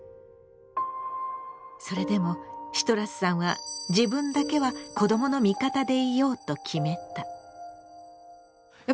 それでもシトラスさんは自分だけは子どもの味方でいようと決めた。